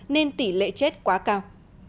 nên tỷ lệ chết quá cao